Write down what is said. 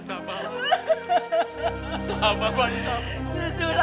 biar mau dibawa ke manis nih